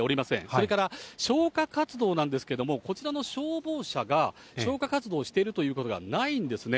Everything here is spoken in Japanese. それから消火活動なんですけども、こちらの消防車が、消火活動をしているということがないんですね。